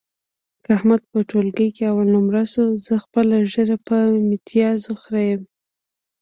که احمد په ټولګي کې اول نمره شو، زه خپله ږیره په میتیازو خرېیم.